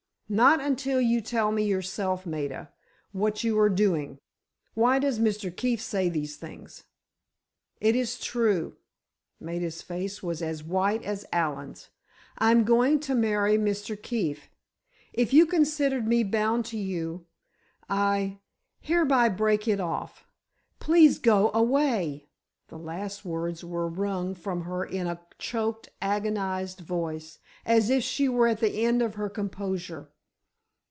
"Not until you tell me yourself, Maida, what you are doing. Why does Mr. Keefe say these things?" "It is true." Maida's face was as white as Allen's. "I am going to marry Mr. Keefe. If you considered me bound to you, I—hereby break it off. Please go away!" the last words were wrung from her in a choked, agonized voice, as if she were at the end of her composure.